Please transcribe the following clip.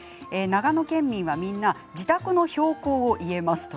長野県民はみんな自宅の標高を言えます。